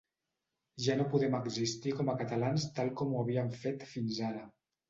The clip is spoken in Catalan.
Ja no podem existir com a catalans tal com ho havíem fet fins ara.